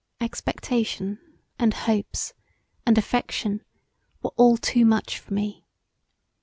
Expectation, and hopes, and affection were all too much for me.